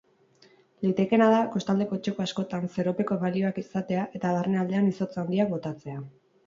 Litekeena da kostaldeko txoko askotan zeropeko balioak izatea eta barnealdean izotz handia botatzea.